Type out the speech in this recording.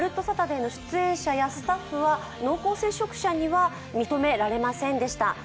サタデー」の出演者やスタッフは濃厚接触者には認められませんでした。